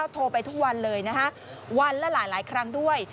โทรไปทุกวันเลยนะคะวันละหลายครั้งด้วย